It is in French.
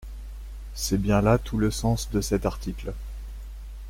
C’est bien là tout le sens de cet article.